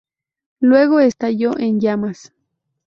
Luego estalló en llamas.